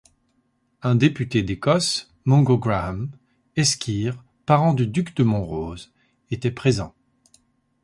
Un député d’Écosse, Mungo Graham, esquire, parent du duc de Montrose, était présent.